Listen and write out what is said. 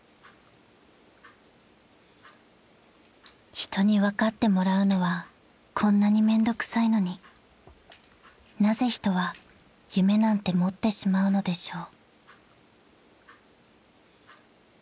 ［人に分かってもらうのはこんなにめんどくさいのになぜ人は夢なんて持ってしまうのでしょう］